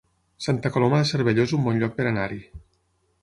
Santa Coloma de Cervelló es un bon lloc per anar-hi